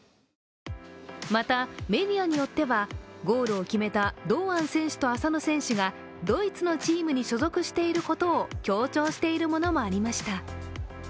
また、メディアによっては、ゴールを決めた堂安選手と浅野選手がドイツのチームに所属していることを強調しているものもありました。